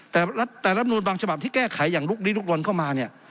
แต่รัฐมนูนบางฉบับที่แก้ไขอย่างลุกลีลุกลนเข้ามาเนี่ย